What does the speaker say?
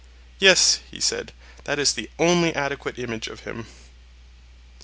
Yes, he said, that is the only adequate image of him.